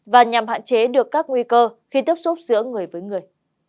và nhằm hạn chế được các nguy cơ khi tiếp xúc giữa người với người